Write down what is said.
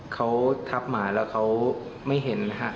เขาทับหมาแล้วเขาไม่เห็นนะฮะ